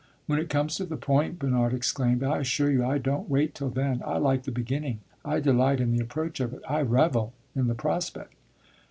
"When it comes to the point?" Bernard exclaimed. "I assure you I don't wait till then. I like the beginning I delight in the approach of it I revel in the prospect."